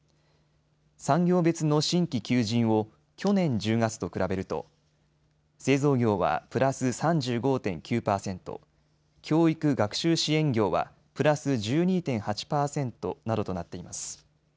産業別の新規求人を去年１０月と比べると製造業はプラス３５．９％、教育・学習支援業はプラス１２．８％などとなっています。